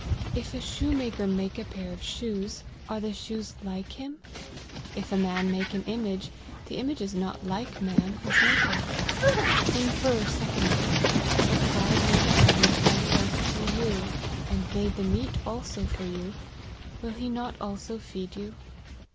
If a shoemaker make a pair of shoes, are the shoes like him ? If a man make an image, the image is not like man, his maker. Infer secondly, if God made the heavens and the earth for you, and made the meat also for you, will he not also feed you